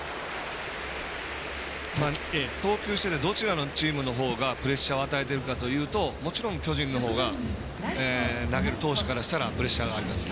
投球しててどちらのチームの方がプレッシャーを与えているかというともちろん、巨人の方が投げる投手からしたらプレッシャーあります。